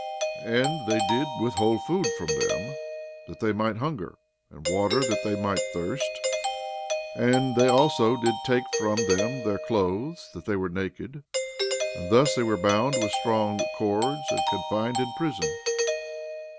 And they did withhold food from them that they might hunger, and water that they might thirst; and they also did take from them their clothes that they were naked; and thus they were bound with strong cords, and confined in prison.